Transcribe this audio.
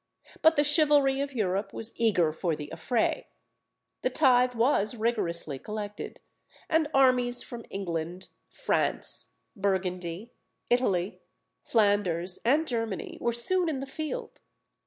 But the chivalry of Europe was eager for the affray: the tithe was rigorously collected, and armies from England, France, Burgundy, Italy, Flanders, and Germany, were soon in the field.